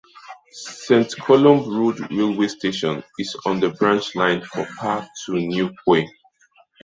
Saint Columb Road railway station is on the branch line from Par to Newquay.